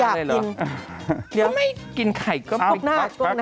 ก็ไม่กินไข่ก็พกหน้าช่วงนะครับ